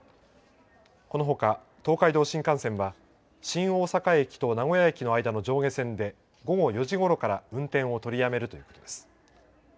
このほか、東海道新幹線は、新大阪駅と名古屋駅の間の上下線で午後４時ごろから運転を取りやめるということです。